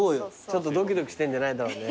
ちょっとドキドキしてんじゃないだろうね。